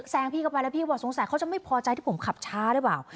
แซงพี่เข้าไปแล้วพี่บอกสงสัยเขาจะไม่พอใจที่ผมขับช้าหรือเปล่า